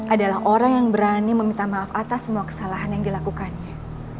adalah orang yang berani meminta maaf atas semua kesalahan yang dilakukannya